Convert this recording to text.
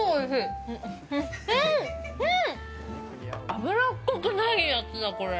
脂っこくないやつだ、これ。